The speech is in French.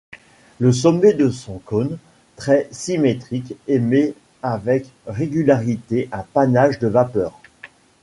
Le sommet de son cône très symétrique émet avec régularité un panache de vapeur.